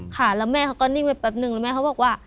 ค่ะแล้วแม่เขาก็นิ่งไปแป๊บนึงแล้วแม่เขาบอกว่า